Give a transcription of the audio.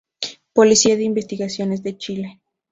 Policía de Investigaciones de Chile